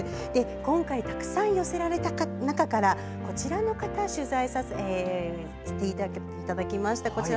今回はたくさん寄せられた中からこちらの方を取材させていただきました。